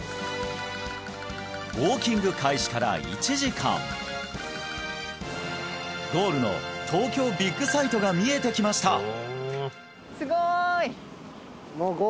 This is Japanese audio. ウォーキング開始から１時間ゴールの東京ビッグサイトが見えてきましたすごい！